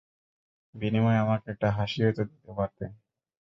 বিনিময়ে আমাকে একটা হাসিও তো দিতে পারতে।